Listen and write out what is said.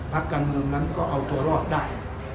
พักการเมืองนั้นก็เอาตัวรอดได้